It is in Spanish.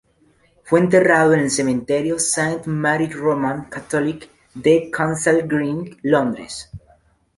Fue enterrado en el Cementerio St Mary Roman Catholic de Kensal Green, Londres.